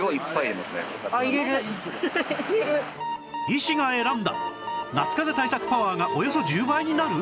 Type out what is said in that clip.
医師が選んだ夏かぜ対策パワーがおよそ１０倍になる！？